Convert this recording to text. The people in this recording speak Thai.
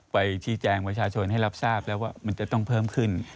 ไปชี้แจงประชาชนให้รับทราบแล้วว่ามันจะต้องเพิ่มขึ้น